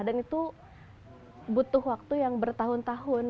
dan itu butuh waktu yang bertahun tahun